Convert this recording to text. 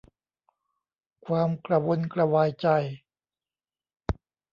ความกระวนกระวายใจ